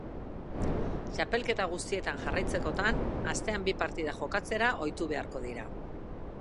Txapelketa guztietan jarraitzekotan, astean bi partida jokatzera ohitu beharko dira.